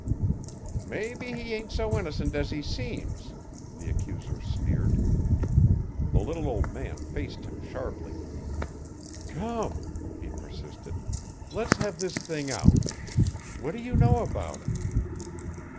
"Mebbe he ain't so innocent as he seems," the accuser sneered. The little old man faced him sharply. "Come," he persisted, "let's have this thing out. What do you know about him?"